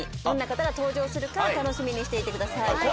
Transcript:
どんな方が登場するか楽しみにしていてください。